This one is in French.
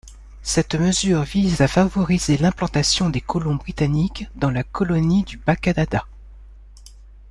Cette mesure vise à favoriser l’implantation des colons britanniques dans la colonie du Bas-Canada.